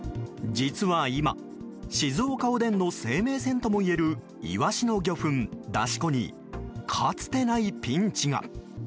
実は今静岡おでんの生命線ともいえるイワシの魚粉だし粉に、かつてないピンチが。